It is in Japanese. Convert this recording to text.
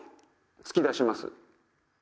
突き出します。